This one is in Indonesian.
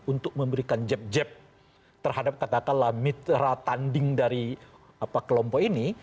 untuk memberikan jeb jeb terhadap kata kata lah mitra tanding dari kelompok ini